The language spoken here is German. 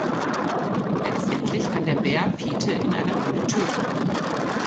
Letztendlich kann der Bär Pete in einer Höhle töten.